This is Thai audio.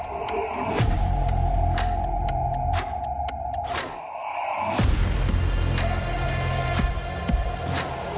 ว้าว